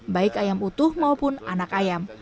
baik ayam utuh maupun anak ayam